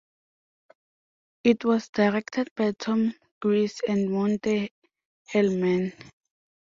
It was directed by Tom Gries and Monte Hellman.